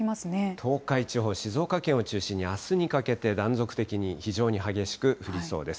東海地方、静岡県を中心にあすにかけて断続的に非常に激しく降りそうです。